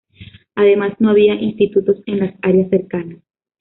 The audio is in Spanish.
Además, no había institutos en las áreas cercanas.